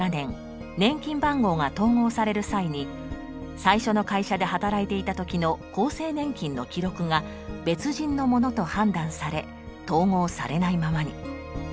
年金番号が統合される際に最初の会社で働いていた時の厚生年金の記録が別人のものと判断され統合されないままに。